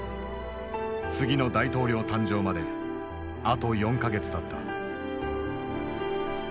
次の大統領誕生まであと４か月だった。